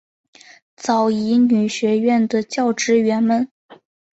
早乙女学园的教职员们。